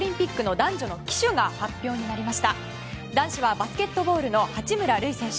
男子はバスケットボールの八村塁選手。